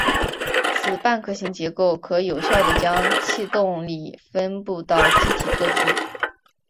此半壳型结构可有效的将气动力分布到机体各处。